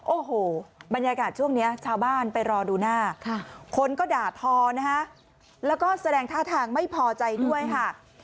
โอ้โหบรรยากาศช่วงนี้ชาวบ้านไปรอดูหน้าคนก็ด่าทอนะฮะแล้วก็แสดงท่าทางไม่พอใจด้วยค่ะ